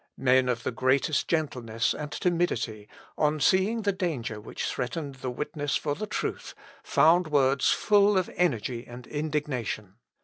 Men of the greatest gentleness and timidity, on seeing the danger which threatened the witness for the truth, found words full of energy and indignation.